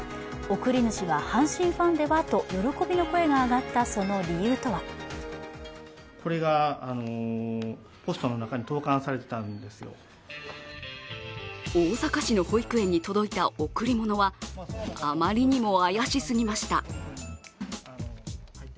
送り主は阪神ファンではと喜びの声が上がったその理由とは大阪市の保育園に届いた贈り物はあまりにも怪しすぎました。